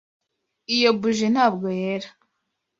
iyo buji ntabwo yera.